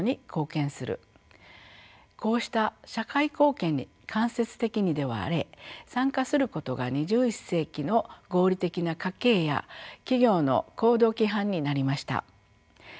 こうした社会貢献に間接的にではあれ参加することが２１世紀の合理的な家計や企業の行動規範になりました。